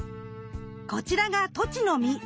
こちらがトチの実。